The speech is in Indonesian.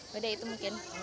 beda itu mungkin